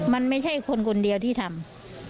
มันไม่ใช่คนคนเดียวที่ทำ